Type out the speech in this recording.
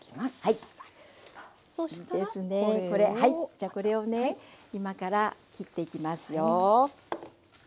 じゃこれをね今から切っていきますよ。